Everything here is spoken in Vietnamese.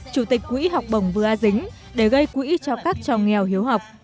chủ tịch quỹ học bổng vừa a dính để gây quỹ cho các trò nghèo hiếu học